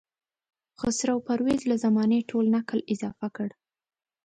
خسرو پرویز له زمانې ټول نکل اضافه کړ.